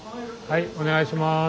はいお願いします。